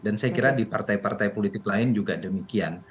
dan saya kira di partai partai politik lain juga demikian